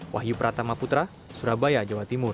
wahyu pratama putra surabaya jawa timur